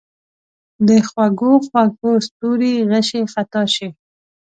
د خوږو، خوږو ستورو غشي خطا شي